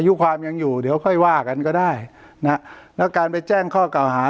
อายุความยังอยู่เดี๋ยวค่อยว่ากันก็ได้นะฮะแล้วการไปแจ้งข้อเก่าหา